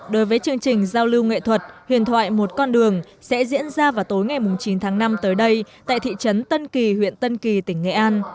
đối với chương trình giao lưu nghệ thuật huyền thoại một con đường sẽ diễn ra vào tối ngày chín tháng năm tới đây tại thị trấn tân kỳ huyện tân kỳ tỉnh nghệ an